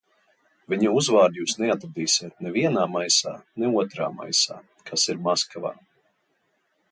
Viņa uzvārdu jūs neatradīsiet ne vienā maisā, ne otrā maisā, kas ir Maskavā.